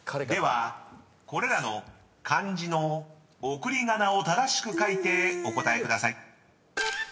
［ではこれらの漢字の送り仮名を正しく書いてお答えください］